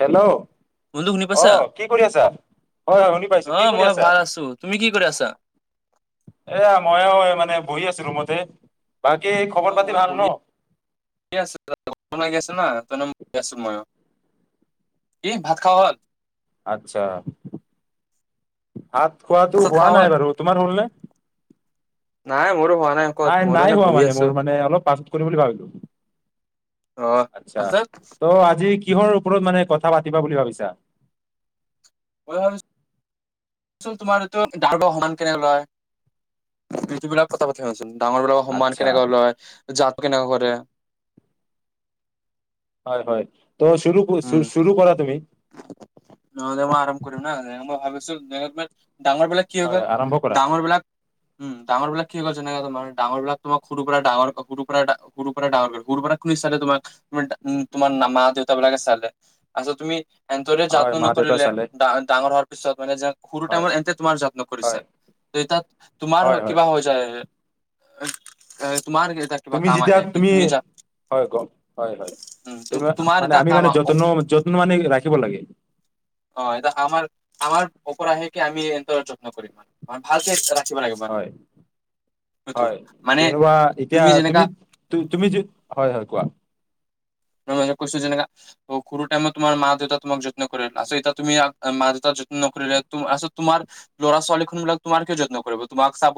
Hello, বন্ধু শুনি পাইছা? অহ', কি কৰি আছা? হয় -হয় শুনি পাইছো, অ কি কৰি মই আছা? ভাল আছো। তুমি কি কৰি আছা? এয়া মইও মানে বহি আছ ছো কোনোমতে। অহ', মইও বহি [unintelligible] লাগি আছে ন। [unintelligible] আছোঁ মইও, কি ভাত খোৱা হ'ল? আচ্ছা, ভাত ভাত খোৱাাটো চাত হোৱা খাৱা হ'ল? নাই বাৰু, তোমাৰ হ'ল নে? নাই মোৰো হোৱা ক'ত নাই- মোৰো নাই এনে হোৱা বহি মানে, আছো। মোৰ মানে অলপ পাছত কৰিম বুলি ভাবিলো, অ আচ্ছাঁ, পাছত ত' আজি কিহৰ ওপৰত মানে কথা পাতিবা বুলি ভাবিছা? মই ভাবিছোঁ চোন তোমাৰ [unintelligible] সমান কেনে লয়। ডাঙৰ বিলাকৰ সন্মান আচ্ছা কেনেকৈ লয় জাত কেনেকা কৰে। হয়- হয়। ত' উম চু-চুৰু কৰা তুমি। নহ'লে মই আৰাম কৰোঁ না, নে মই ভাব [unintelligible] ডাঙৰ বিলাক কি হৈ হয় গ'ল, হয় আৰম্ভ কৰা ডাঙৰ বিলাক। উম', ডাঙৰ বিলাক কি কৰিছে এনেকা তোমাৰ, ডাঙৰ বিলাক তোমাক সৰুৰ পৰা ডাঙৰ সৰু পৰা সৰুৰ পৰা ডাঙৰ কৰে সৰু পৰা কোন ষ্টাইলত তোমাক তমাৰ উম তোমাৰ মা-মা দেউতাবিলাকে চালে, পিছত তুমি এ তৰি হয় যত্ন মা দেউতা নকৰিলে চালে ডা ডাঙৰ হোৱাৰ ত পিছত মানে সৰু হয় টাইমত এন্ত তোমাৰ যত্ন কৰিছা হয় এতিাত তোমাৰ হয় হয় কিবা হৈ যায় [inaudible] কিবা তুমি কাম যেতিয়া আহে কি তুমি যা হয় ক হয় উম, হয়ুমি তুম- তোমাৰ মানে এটা আমি কাম মানে আ- যতন অ', য মানে ৰাখিব লাগে অ এটো আমাৰ আমাৰ অপৰাহেকে আমি এ যত্ন কৰিম মানেে ভালকে ৰা হয় হয় মানে যেনেুৱা তুমি যেনেকা এতিয়াুমি তুমি য হয় হয় কোৱা ম মাজত কৈছো যেনেকা সৰু টাইমত তোমাৰ ম দেউতাোমাক যত্ন কৰিলে আ তুমি মা দেউত যত্নকৰিলে আ তোমাৰ ল'ৰা ছোৱালীখন বিলাক তোমাৰ কিয় যত্ন কৰিব তোমাক চাব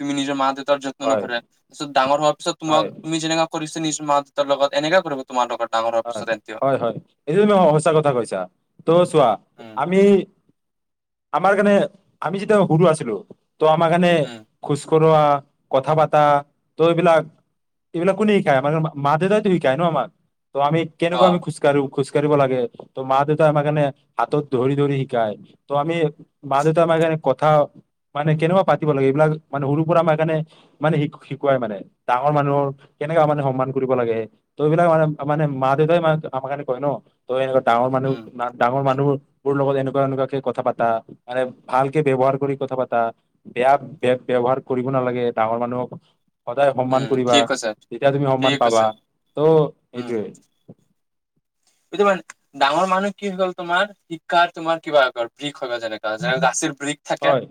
তুমি নিজৰ মা দেউতা যত্ন হয় নকৰোৰাছ ডাঙৰ হোৱাৰ পিছত তোম হয় তুমিনো কৰিছে নিশ্চয় মা দেউতৰ লগত এনেককা কৰিব তোমাৰ লগ হয় হয় হয় এইটো ত সচা কথা কৈছা ত' চোৱা উম আমি আমাৰ কাৰনে আমি যেতিয়া হুৰুু আছিলো তো আমাৰখে উম খুজ কৰোৱা কথা পাতা ত এইবিলাক এইবিলাক কোনে শিকায় মানে মা দেউতাইতো শিকায় ন আমাক তমি অ কেনেকুৱ আমি খোজকাঢ়ো খোজ কঢ় লাগে' মা দেউতাই আমাৰ কাৰণে হাতত ধৰি ধৰি শিকায় ত আমি মা দেউতা আমাৰ কাৰণে কথা মানে কেনেকুৱা পাতিব লাগে এইবিলাক মানে সৰুৰ পৰা আমাৰ কাৰণে মানে শ শিকুৱাই মানে ডাঙৰ মানুহৰ কেনেকুৱা মানে সন্মান কৰিব লাগে ত এইবিলাক মানে মান মা দেউতাই ম মাৰ মে কয় ন তই এনে ডাঙৰ মানুহ উম ডাঙৰ মানুহৰ মোৰ লগত এনেকুৱা এনেকুৱাকে কথা পাতা মানে ভালকে ব্য়ৱহাৰ কৰি কথা পাতা বেয়া বয় ব্য্য়ৱহাৰ কৰিব নালাগে ডাঙৰ মানুহক সদায় সন্মান উম কৰিবা ঠিক কৈছা তেতিয়া তুমি সন্মান ঠিক পাবা কৈছা ত' এইটোৱে সটো মানে ডাঙৰ মানুহ কি হৈ গ'ল তোমাৰ শিক্ষাৰ তোমাৰ কিবা বিৃষ হয় যেনেককা যেনে গাচীৰ ৰিক থাকে হয়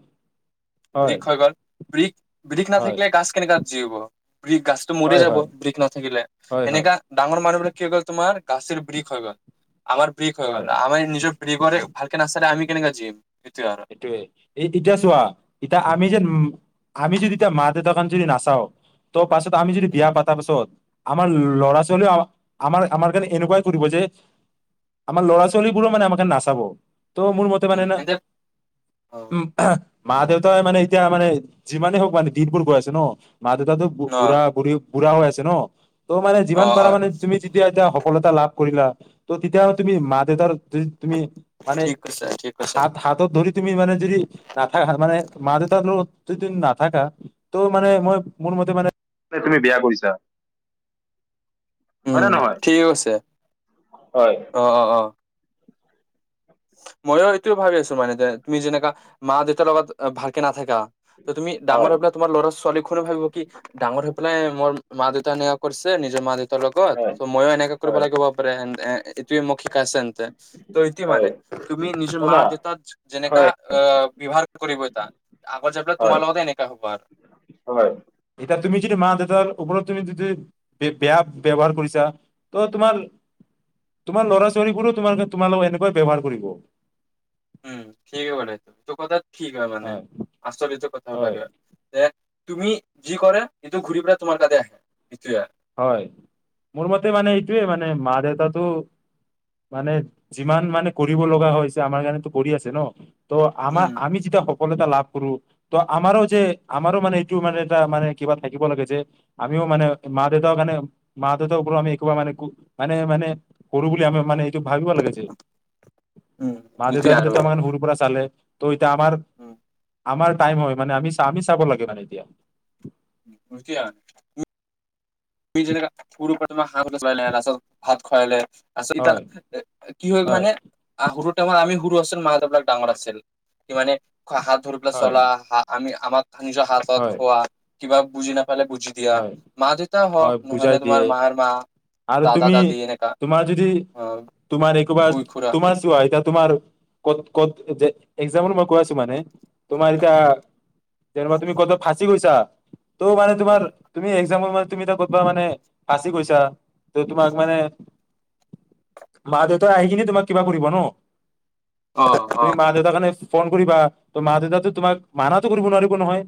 হয় বৰিক হৈ গ'ল প্ৰ বিধষ হয় নাথাকিলে গাছ কেনেককা যিিব বিষ গাছতটো মৰি হয় যাব হয় বিষ নাথাকিলে হয় হয় এনেককা ডাঙৰ মানুহবিলাক কি গ'ল তোমাৰাশীৰ পৰি খ গ আমাৰ ব্ৰিক হৈ গল হয় আাৰ নিজৰ ব্ৰগৰে ভালকে নাচে আম কেনে গৈ যিম সেইটোয়ে এই এতিয়া চোৱা এতিয়া আমি যেন উ আমি যদিতিয়া মা দেউতাকান যদি নাচাও ত তাৰ পাছত আমি যদি উম বিয়া পাতাৰ পাছত আমাৰ ল'ৰা ছোৱালী আমাৰ আমাৰ কাৰণে এনেকুৱাই কৰিব যে আমাৰ লৰা ছোৱালীবোৰো মানে আমাৰ কাৰণ নাচাব তো মোৰ মতে মানে উম ন এন্তে অ উম মা দেউতাই মানে এতিয়া মানে যিমানেই হওক মানে দিনবোৰ গৈ আছে ন মা দেউতাটোো অ বু়ৰা বু়ী বুঢ়া হৈ আছে ন ত' মানে অ যিমান অ পাৰা মানে তুমি যেতিয়া এতিয়া সফলতা লাভ কৰিলা ত তেতিয়া তুমি মা দেউতাৰ তুমি মানে ঠিক কৈছে ঠিক কৈছে হাত হাতত ধৰি তুমি মানে যদি নাথাকাত মানে মা দেউতাৰো ত তুমি নাথাকা ত' মানে মই মোৰ মতে মানে তুমি বেয়া কৰিছা হয় নে উম নহয় ঠিক আছে হয় অ অ অ ময়ো এইটোও ভাবি আছো মানে যে তুমি যেনেকাা মা দেউতাৰ লগত ভালকে নাথাকা তুমি হয় ডাৰাবিল তোাৰ ল'ৰা ছোৱালী ো ভাবিব কি ডাঙৰ হৈ পেলাই মোৰ মা দেউতা নিয়া কৰিছে নিজৰ মা দেউতা ত তৰ লগত হয় ত' ময়ো এনেকাে কৰিব হয় লাগিব পাৰে অ ইতিি মখিক আছেন্ত ত ইতি মানে হয় তুমি নিজৰ মা শুনা দেউতাত যেনেকা হয় বিভাগ কৰিব এটা আগত যাই পেলাই তোমাৰ হয় লগতে এনেকা হ'ব আৰু হয় এয়া তুমি য মা দে তুমি যদি বেয়া ব্য়ৱহাৰ কৰিছা ত তোমাৰ তোমাৰ ল'ৰা ছোৱালীবোোৰো তোমাৰ তোমালোক এনেকুৱা ব্ৱহাৰ কৰিব উম সেই বি বলাইটোো ত কথাাত ঠিক হয় মানে আচলত কথাাব হয় লাগে দে তুমি যি কৰে কিন্তু ঘূৰি ফুা তোমাৰ কে আহে নিশ হয় মোৰ মতে মানে এইটোোৱে মানে মা দেউতটো মানে যিমান মানে কৰিব লগা হয় যে আমাৰ কাৰণো কৰি আছে ন ত আমাৰ উম আমি যেতিয়া সকলো এা লাভ কৰো ত আমাৰো যে আমাৰো মানে এইটো মানে এটা মানে কিবা থাকিব লাগে যে আমিও মানে মা দেউতা কাৰণে মা দেউতাৰ ওপৰত আমি একোবা মানে মানে মানে কৰো বুলি আমি মানে ভাবিব লাগিছিল উম মা দেউতা তেতিয়া আৰু মানে তোমাৰ সুৰ পৰা চালে ত' আমাৰ, উম আমাৰ টাইম হয় মানে আমি আমি চাব লাগে মানে এতিয়া। [unintelligible] তুমি যেনে সৰুপমাৰ হাঁহ গচুৱাই ল তাৰপাছত ভাত খোৱাই লে আছত হয় এতয়া কি হয় মানে আহুৰত আমি হৰু আছিল মা দেউতাক ডাঙৰ আছিল কি মানে হাত ধৰপাক হয় চলা বা ‌আমি আমাক। ধনিজ হাতত হয় খোৱা। কিবা বুজি না বুজি দিয়া হয় মা দেউ হয় বুজাই দিয়ে আৰু দাদা তুমি দাদি এনেকা তোমাৰ যদি অ তোমাৰ একোবা খুই খুৰা তোমাৰ চোৱা এয়া তোমাৰ ক'ত ক'ত যে এজামৰ মানে তোমাৰ এতিয়া দেৰমাহ তুমি কতো কি কৈছা ত' মানে তোমাৰ উম এজামৰ মানে তুমি এ ক'তবা মানে ফাচি কৈছা। ত তোমাক মানে মা দেউতাই আহি কি তোমাক কিবা কৰিবা ন। অ অ তুমি মা দেউতাৰ কাৰণে ফোন কৰিবা। তই মা দেউতা তোমাক মানাটো কৰিব নোৱাৰিব নহয়।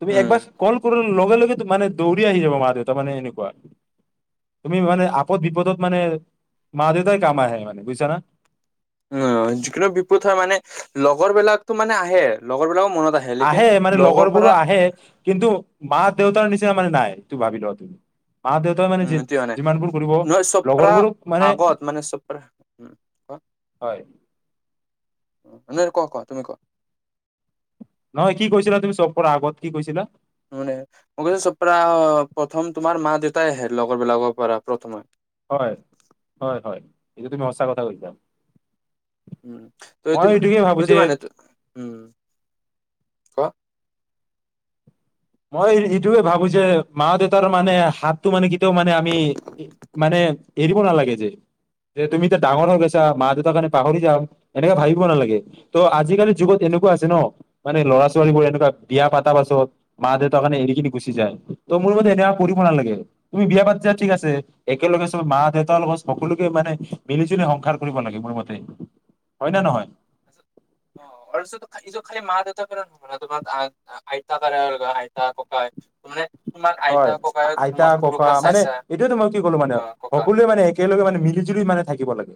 তুমি উম একবাৰ কল কৰ লগে, লগে মানে দৌৰি আহি যাব মা দেউতা মানে এনেকুৱা তুমি মানে আপদ বিপদত মানে মা দেউতাই কাম আহে মানে বুজিছা না। উ যিকোনো বিপদ হয় মানে লগৰ বিলাকতো মানে আহে লগৰ বিলাক আহে মানে লগৰবোৰো আহে কিন্তু মা দেউতাৰ নিচিনা মানে নাই ত ভাবি ল মা দেউতাই মানেি উম, এইটো মানে যিমানবোৰ কৰিব নহয় চপ্ৰা লগৰবোৰক মানে আগত মানে চপ্ৰা উম, কোৱা হয়। ক কোৱা তুমি কোৱা। নহয় কি কৈছিলা তুমি চব পৰা আগত কি কৈছিলা। মানে মই কৈছো চপ্ৰা প্ৰথম তোমাৰ মা দেউতাই আহে লগৰবিলাকৰ পৰা প্ৰথমে হয়, হয়, হয় এইটো তুমি সঁচা কথা কৈছা। মই এইটোকে ভাবো যে [unintelligible] মই এইটয়ে ভাবো যে মা দেউতাৰ মানে হাতটো মানে কেতিয়াও মানে আমি মানে এৰিব নালাগে যে যে তুমি এতিয়া ডাঙৰ হৈ গৈছা মা দেউতাৰ কাৰণে পাহৰি যাম এনেককাে ভাবিব নালাগে ত' আজিকালিৰ যুগত এনেকুৱা আছে ন মানে লৰা ছোৱালীবোৰ এনেকুৱা বিয়া পতা পাছত মা দেউতা এৰি কিননে গুচি যায় মোৰ ম এনেকুৱা কৰিব নালাগে। তুমি বিয়া পাতিছা ঠিক আছে। একেলগে চব মা দেউতাৰ লগত সকলোকে মানে, মিলি জুলি সংসাৰ কৰিব লাগে মোৰ মতে। হয়! নে নহয়? [unintelligible] আইতা হয়! ককাই আইতা তোমাক সৰুৰ ককা পৰা মানে, চাইছা এইটোয়তো মই কি ক'লো মানে, অ', ককা সকলোৱে মানে একেলগে মানে মিলি জুলি মানে থাকিব লাগে।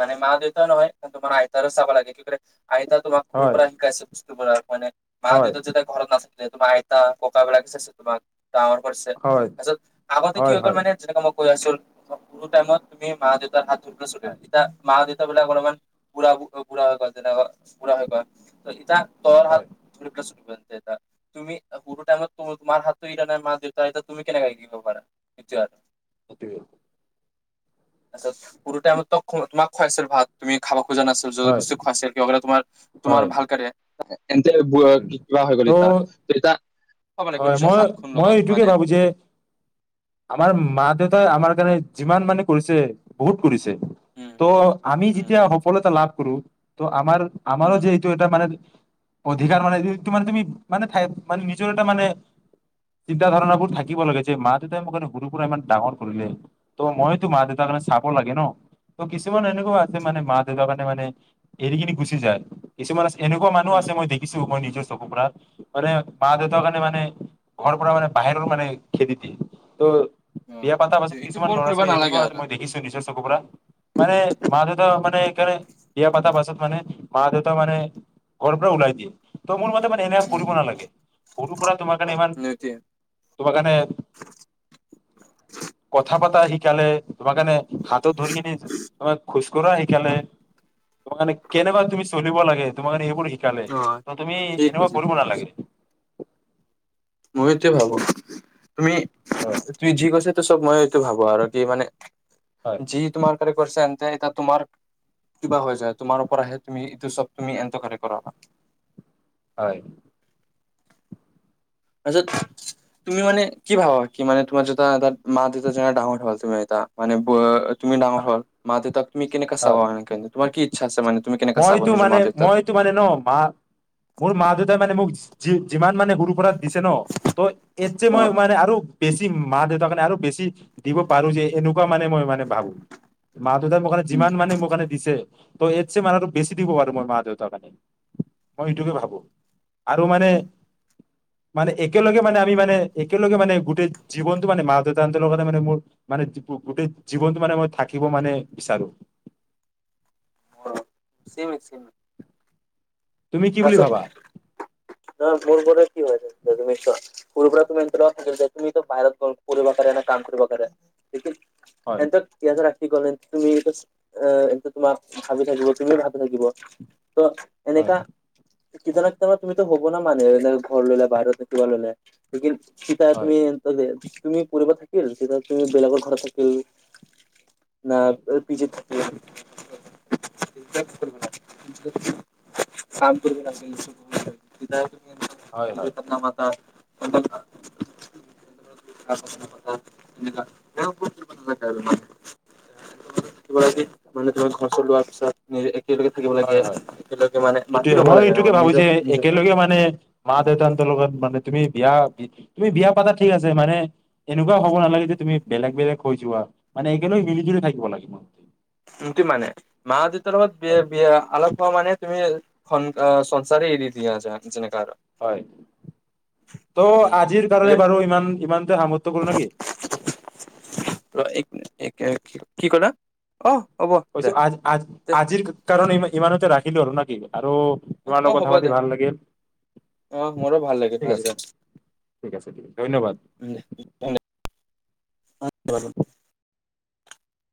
মানে মা দেউতা নহয়। তোমাৰ আইতাৰক চাব লাগে আইতা তোমাক সৰু হয় পৰা শিকাইছে বস্তুবোৰৰ হয়নে? মা হয় দেউতা যেতিয়া ঘৰত নাছিল। তোমাৰ আইতা ককা বোৰে চাইছে তোমাক। ডাঙৰ কৰিছে। হয় তাৰপাছত আগতে কি হয় হৈ হয় মানে যে [unintelligible] সেইটো টাইমত তুমি মা দেউতাৰ হাত ধ হয় এতিয়া মা দে দেউতা বিলাক অলপমান বুঢ়া বুঢ়া হৈ গ'ল, বুঢ়া হৈ গ'ল। এতিয়া হয় [unintelligible] দেউতা, তুমি সেইটো টাইমত তোমাৰ হাতত নাই মা দেউতা তুমি কেনেকে শিকিব পাৰা তেতিয়াহ'লে? সেইটোৱে! আচ্ছা! সৰুতে আমাক তোমাক খোৱাইছিল ভাত, তুমি খাবা [unintelligible] হয় বস্তু খুৱাইছিল তোমাৰ তোমাৰ হয় ভাল কাৰনে। [unintelligible] ত' এতিয়া খাব লাগিব হয়। নিজৰ মই হাত খুন মই লগত এইটোকে মানে ভাবোঁ যে, আমাৰ মা দেউতাই আমাৰ কাৰণে যিমান মানে কৰিছে, বহুত কৰিছে। উম ত' আমি উম যেতিয়া সফলতা লাভ [unintelligible] ত' আমাৰ আমাৰো উম যিহেতু এটা মানে অধিকাৰ মানেটো মানে তুমি মানে [unintelligible] মানে নিজৰ এটা মানে চিন্তাাধাৰণা বোৰ থাকিব লাগে যে, মা দেউতাই মোৰ মানে সৰু পৰা ইমান ডাঙৰ কৰিলে। ত' মইতো মা দেউতাৰ কাৰণে চাব লাগে ন'। ত' কিছুমান এনেকুৱা আছে মানে, মা দেউতাৰ কাৰণে মানে, এৰি কিনে গুচি যায় কিছুমান আছে এনেকুৱা মানুহ উম আছে মই দে মই নিজৰ চকু পৰা মানে, মা দেউতাৰ কাৰণে মানে, ঘৰ পৰা মানে বাহিৰৰ মানে, খেদি দিয়ে। ত' অ বিয়া পাতাৰ তো পাছত এইটো কিছুমান বৰ ল'ৰা কৰিব ছোৱালী নালাগে এনেকুৱা আছে, আৰু মই দেখিছো নিজৰ চকুৰ পৰা মানে, মা দেউতা মানে কাৰণ বিয়া পাতা পাছত মানে, মা দেউতা মানে, ঘৰ পৰা ওলাই দিয়ে। ত' মোৰ মতে মানে এনেকুৱা উম কৰিব নালাগে। সৰু পৰা তোমাৰ কাৰণে ইমান, সেইটোৱে তোমাৰ কাৰণে, কথা পতা শিকালে, তোমাৰ কাৰণে হাতত ধৰি কিনে তোমাক খোজ কঢ়া শিকালে, তোমাৰ কাৰনে, কেনেকুৱা তুমি চলিব লাগে তোমাৰ কাৰণে এইবোৰ শি শিকালে। অ তুমি ঠিক এনেকুৱা কৈছে কৰিব নালাগে? মইয়ো ত' ভাবোঁ। তুমি, হয় তুমি যি কৈছে, তো চব মই সেইটো ভাবোঁ আৰু কি মানে হয় জীটো মাৰকাৰৰে কছো এতিয়া এ তোমাৰ কিবা হৈ যায় তোমাৰ ওপৰত আহে তুমি এইটো চব তুমি কৰা হয় তাৰিছত তুমি মানে কি ভাবা কি মানে তোমাৰ যেতয়াাত মাতি জে ডাঙঠ হোৱা ম মানে তুমি ডাঙৰ হয় হল মা দেউতাক তুমি কেনেকা হয় চাবা এন্ত তোমাৰ কি ইচ্ছা আছে মানে তুমি কেনেকা চাব মইতো নিজৰ মানে মা দেউতাক মইতো মানে ন মা ি যিমান মানে গুৰু দিছে ন ত এ যে অ মই মানে আৰু বেছি মা দেউতাক কাৰণে আৰু বেছি দিব পাৰো যে এনেকুৱা মানে মই মানে ভাবো মা দেউতাই মোৰ কাৰণে উম যিমান মানে মোৰ কাৰণে দিছে ত এছে মান আৰুটো বেছি দিব পাৰো মই মা দেউতাৰ কাৰণে মই এইটোকে ভাবো আৰু মানে মানে একেলগে মানে আমি মানে একেলগে মানে গোটেই জীৱনতটো মানে মা দেউতাহ কাৰণে মানে মোৰ মানে গোটেই জীৱনটো মানে মই থাকিব মানে বিচাৰো অ চিম চিম তুমি কি বুলি ভাবা ন মোৰ গ কি হৈ যাব তুমি চ কৰুবৰাত তমে তুমি বাহিৰত পবা কৰা ন কাম কৰিবা কৰা দেখি হয় এন্ত কিছৰা কি কল তুমি এইটো এটো তোমাক ভাবি থাকিব তুমিও ভাবি থাকিব ত হয় এনেকাা তেতিয়া লাগ ম তুমি টো হ'ব না মানে এ ঘৰ ললে বাহিৰত কিবা ললে সিন শিিকাই হয় তুমিন্ত দে তুমি পৰিব থাকিল তেতিয়া তুমি বেলেগৰ ঘৰত থাকিল ন হয় পি চাম কৰিব ৰাখছ [inaudible] হয় নিজে হয় পন মাাতা [inaudible] কিব আচ্ছা মানে ধৰ ফচলোৱা [inaudible] তেওঁলোকে থাকিব লাগে হয় হয় তেওঁলোকে মানে মাতি এইটোয়ে ল'ব মই লাগে ত এইটোকে মানে ভাবো নিজৰ যে নিজৰ ক একেলগে মানে মা দেউতাহৰ লগত মানে তুমি বিয়া তুমি বিয়া পাতা ঠিক আছে মানে এনেকুৱা হব নালাগে যে তুমি বেলেগ বেলেগ হৈ যোৱা মানে একেলগ মিলি জুলি থাকিব লাগিব সটো মানে মা দেত লগত বি হয় বিয়া আলপ হোৱা মানে তুমি খং এ সংসাৰে এৰি দিয়া যা যেনেক হয়, ত' উম আজিৰ কাৰণে বাৰু ইমান ইমান [unintelligible] কৰোঁ না কি? এ কি কি কলা? হ'ব দে [unintelligible] আজ আজ দে আজিৰ ক কাৰণে ইম ইমানতে ৰাখ [unintelligible] ত' তোমাৰ অ লগত হ'ব থা পাতি দে ভাল লাগিল। অ মোৰো ভাল লাগিল ঠিক আজি আছে, ঠিক আছে [unintelligible] ধন্যবাদ। দে [unintelligible]